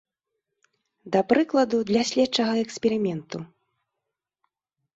Да прыкладу, для следчага эксперыменту.